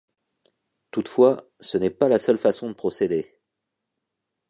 Toutefois, ce n'est pas la seule façon de procéder.